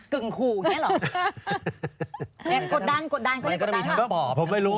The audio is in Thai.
แรงกว่าเกลี้ยกล่อมน้อย